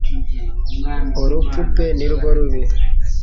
Urupfu pe ni rwo rubi